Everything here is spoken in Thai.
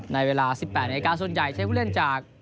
ในเวลา๑๘นาฬิกาส่วนใหญ่ใช้ผู้เล่นจาก